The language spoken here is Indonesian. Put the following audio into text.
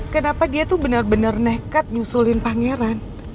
kenapa dia tuh benar benar nekat nyusulin pangeran